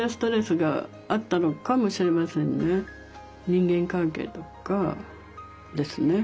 人間関係とかですね。